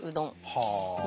はあ。